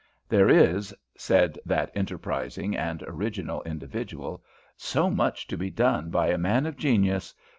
"There is," said that enterprising and original individual, "so much to be done by a man of genius.